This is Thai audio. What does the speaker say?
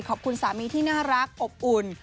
ขอบคุณสามีที่น่ารักอบอุ่น